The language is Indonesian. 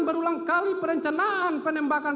berulang kali perencanaan penembakan